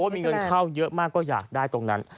มีเงินเข้าเยอะมากก็อยากได้ตรงนั้น